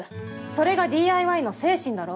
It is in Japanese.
それがＤＩＹの精神だろ？